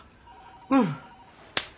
うん。